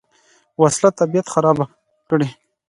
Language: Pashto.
وسله طبیعت خرابه کړي